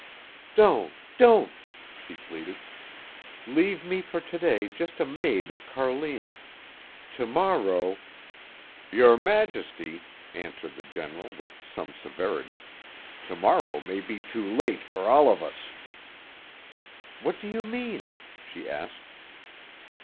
"Don't! Don't!" she pleaded. "Leave me for to day just a maid of Carlina. To morrow " "Your Majesty," answered the General, with some severity, "to morrow may be too late for all of us." "What do you mean?" she asked.